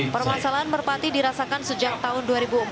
permasalahan merpati dirasakan sejak tahun dua ribu empat